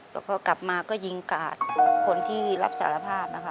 แล้วพอกลับมาก็ยิงกาดคนที่รับสารภาพนะคะ